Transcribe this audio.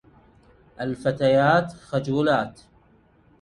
الفتيات خجولات.